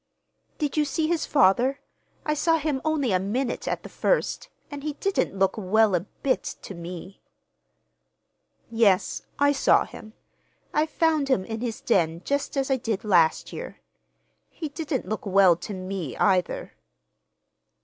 "Did you see his father? I saw him only a minute at the first, and he didn't look well a bit, to me." "Yes, I saw him. I found him in his den just as I did last year. He didn't look well to me, either."